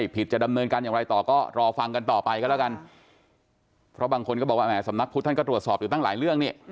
เพราะบางคนก็บอกว่าสำนักพุทธก็ตรวจสอบอยู่ตั้งหลายเรื่องนี่